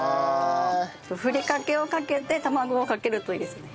ふりかけをかけて卵をかけるといいですね。